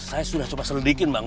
saya sudah coba selidikin bang